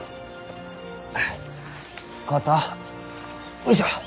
よいしょ。